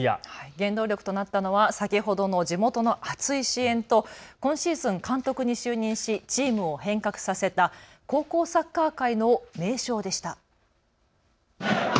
原動力となったのは先ほどの地元の熱い支援と今シーズン監督に就任しチームを変革させた高校サッカー界の名将でした。